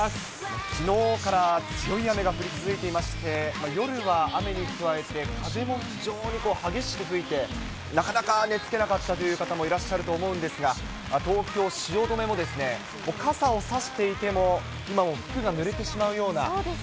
きのうから強い雨が降り続いていまして、夜は雨に加えて、風も非常に激しく吹いて、なかなか寝つけなかったという方もいらっしゃると思うんですが、東京・汐留も、もう傘を差していても、今も服がぬれてしまうような。